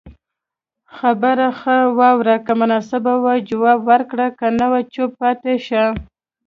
خبره خه واوره که مناسبه وه جواب ورکړه که نه چوپ پاتي شته